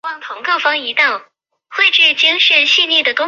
一楼当仓库用